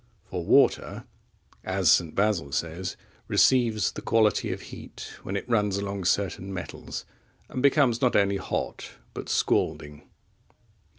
For water, as St. Basil says,(26) receives the quality of heat, when it runs along certain metals, and becomes not only hot but scalding.